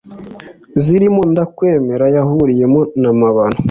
zirimo ndakwemera yahuriyemo na Mabano